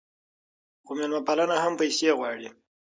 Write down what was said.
خو میلمه پالنه هم پیسې غواړي.